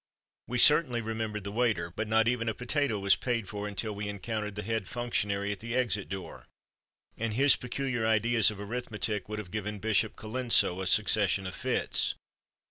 We certainly "remembered" the waiter; but not even a potato was paid for until we encountered the head functionary at the exit door; and his peculiar ideas of arithmetic would have given Bishop Colenso a succession of fits.